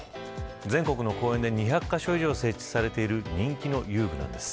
全国の公園で２００カ所以上設置されている人気の遊具なんです。